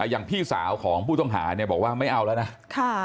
อย่างพี่สาวของผู้ต้องหาเนี่ยบอกว่าไม่เอาแล้วนะ